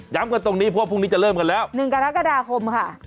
กันตรงนี้เพราะว่าพรุ่งนี้จะเริ่มกันแล้ว๑กรกฎาคมค่ะ